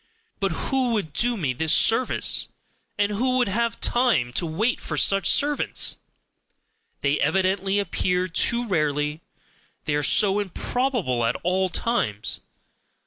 But who could do me this service! And who would have time to wait for such servants! they evidently appear too rarely, they are so improbable at all times!